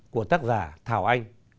của tác giả thảo anh